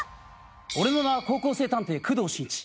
俺の名は高校生探偵工藤新一。